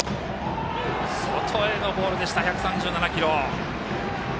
外へのボールでした１３７キロ。